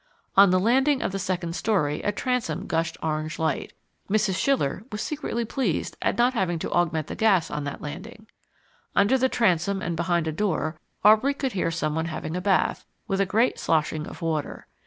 On the landing of the second storey a transom gushed orange light. Mrs. Schiller was secretly pleased at not having to augment the gas on that landing. Under the transom and behind a door Aubrey could hear someone having a bath, with a great sloshing of water.